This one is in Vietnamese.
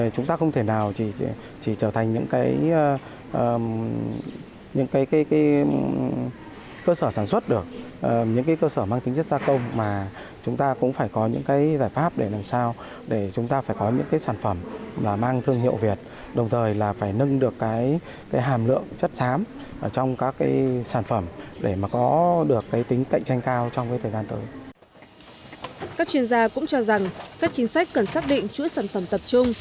các chuyên gia cũng cho rằng các chính sách cần xác định chuỗi sản phẩm tập trung